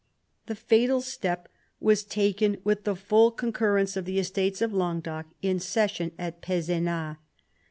The fatal step was taken with the full concurrence of the Estates of Languedoc, in session at Pezenas.